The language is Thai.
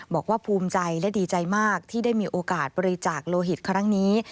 บอกว่าภูมิใจและดีใจมากที่ได้มีโอกาสบริจาคโลหิตครั้งนี้